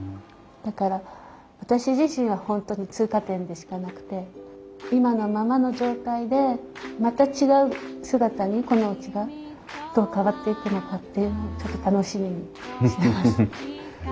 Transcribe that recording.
だから私自身は本当に通過点でしかなくて今のままの状態でまた違う姿にこのおうちがどう変わっていくのかっていうのをちょっと楽しみにしてます。